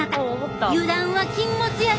油断は禁物やで！